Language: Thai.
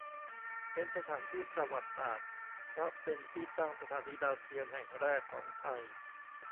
เป็นสถานที่ประวัติศาสตร์เพราะเป็นที่ตั้งสถานีดาวเทียมแห่งแรกของไทย